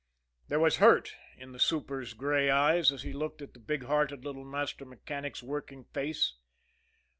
There was hurt in the super's gray eyes, as he looked at the big hearted little master mechanic's working face.